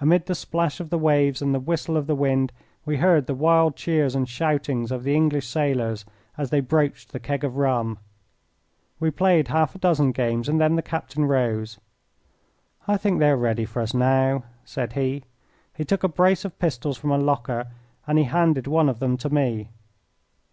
Amid the splash of the waves and the whistle of the wind we heard the wild cheers and shoutings of the English sailors as they broached the keg of rum. We played half a dozen games and then the captain rose. "I think they are ready for us now," said he. He took a brace of pistols from a locker, and he handed one of them to me.